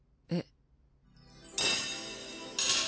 えっ？